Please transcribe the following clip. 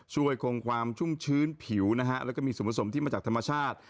คงความชุ่มชื้นผิวนะฮะแล้วก็มีส่วนผสมที่มาจากธรรมชาติ